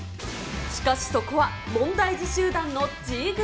しかし、そこは問題児集団のＧ組。